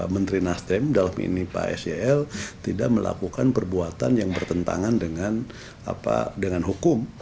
menteri nasdem dalam ini pak sel tidak melakukan perbuatan yang bertentangan dengan hukum